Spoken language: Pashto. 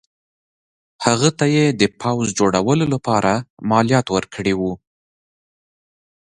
هغه ته یې د پوځ جوړولو لپاره مالیات ورکړي وو.